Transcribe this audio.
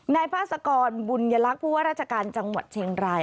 นายพาสกรบุญยลักษณ์ผู้ว่าราชการจังหวัดเชียงราย